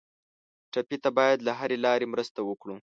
ټپي ته باید له هرې لارې مرسته وکړو.